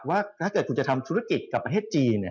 ว่าถ้าเกิดคุณจะทำธุรกิจกับประเทศจีน